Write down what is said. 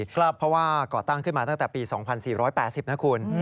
เพราะว่าก่อตั้งขึ้นมาตั้งแต่ปี๒๔๘๐นะคุณ